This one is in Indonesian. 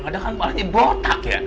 ada kan kepalanya botak ya